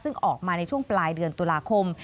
ซึ่งออกมาในช่วงปลายเดือนตุลาคม